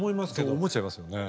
そう思っちゃいますよね。